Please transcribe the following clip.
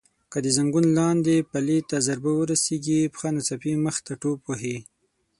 که د زنګون لاندې پلې ته ضربه ورسېږي پښه ناڅاپي مخې ته ټوپ وهي.